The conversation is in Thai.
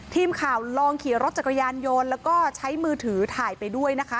ทีมข่าวลองขี่รถจักรยานยนต์แล้วก็ใช้มือถือถ่ายไปด้วยนะคะ